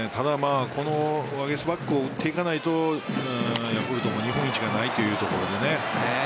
このワゲスパックを打っていかないとヤクルトも日本一がないというところで。